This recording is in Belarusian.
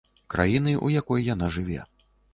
Краіны, у якой яна жыве.